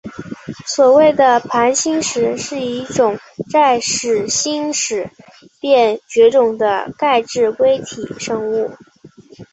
所谓的盘星石是一种在始新世便绝种的钙质微体生物。